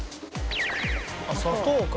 あっ砂糖か。